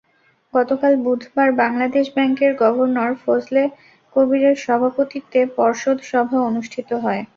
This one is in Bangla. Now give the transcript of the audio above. গতকাল বুধবার বাংলাদেশ ব্যাংকের গভর্নর ফজলে কবিরের সভাপতিত্বে পর্ষদ সভা অনুষ্ঠিত হয়।